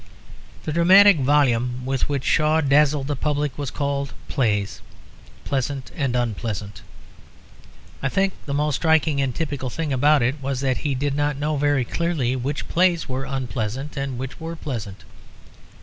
The dramatic volume with which Shaw dazzled the public was called, Plays, Pleasant and Unpleasant. I think the most striking and typical thing about it was that he did not know very clearly which plays were unpleasant and which were pleasant.